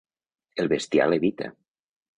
El bestiar l'evita.